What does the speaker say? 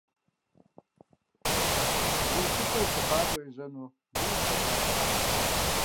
Бгы икӀыпӀэ и лъыхъуакӀуэ ежьэну зэи игу къэкӀатэкъым.